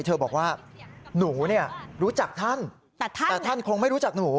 เธอบอกว่าหนูเนี่ยรู้จักท่านแต่ท่านคงไม่รู้จักหนู